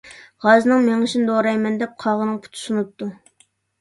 غازنىڭ مېڭىشىنى دورايمەن دەپ قاغىنىڭ پۇتى سۇنۇپتۇ.